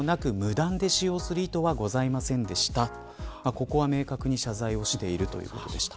ここは明確に謝罪をしているということでした。